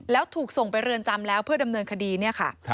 แล้วถูกส่งไปเรือนจำแล้วเพื่อดำเนินคดีเนี่ยค่ะ